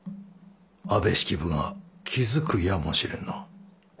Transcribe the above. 安部式部が気付くやもしれぬな。